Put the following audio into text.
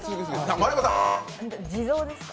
地蔵ですか？